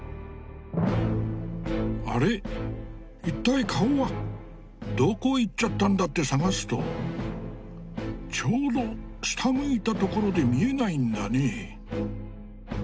一体顔はどこ行っちゃったんだって探すとちょうど下向いたところで見えないんだね。